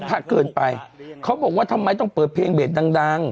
เกินไปเขาบอกว่าทำไมต้องเปิดเพลงเบสดังดัง